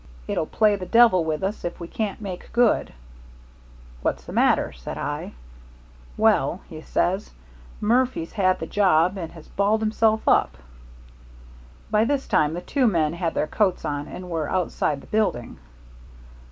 It'll play the devil with us if we can't make good.' 'What's the matter?' said I. 'Well,' he says, 'Murphy's had the job and has balled himself up.'" By this time the two men had their coats on, and were outside the building.